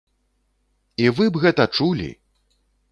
І вы б гэта чулі!